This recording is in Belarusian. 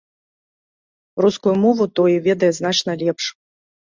Рускую мову той ведае значна лепш.